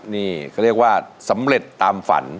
นี่เขาเรียกว่าสำเร็จตามฝัน